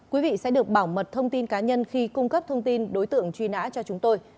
quý vị sẽ được bảo mật thông tin cá nhân khi cung cấp thông tin đối tượng truy nã cho chúng tôi